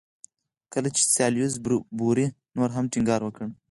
کله چې سالیزبوري نور هم ټینګار وکړ.